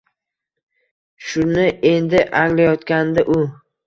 Shuni endi anglayotgandi u.